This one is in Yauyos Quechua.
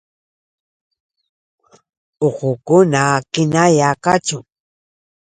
¡Uqukuna hinalla kachun!